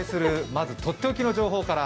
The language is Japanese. まずとっておきの情報から。